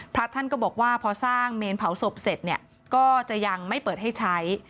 พระท่านก็บอกว่าพอสร้างเมนเผาศพเสร็จเนี่ยก็จะยังไม่เปิดให้ใช้